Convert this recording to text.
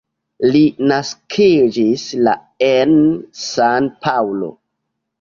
Li naskiĝis la en San-Paŭlo.